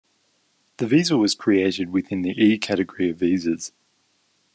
The visa was created within the E category of visas.